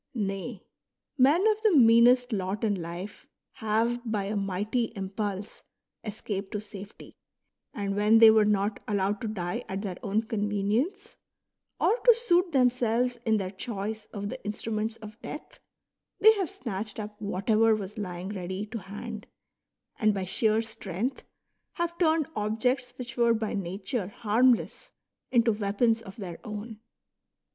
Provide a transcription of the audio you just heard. Nay, men of the meanest lot in life have by a mighty impulse escaped to safety, and when they were not allowed to die at their own convenience, or to suit themselves in their choice of the instruments of death, they have snatched up whatever was lying ready to hand, and by sheer strength have turned objects which were by nature harmless into weapons of their own.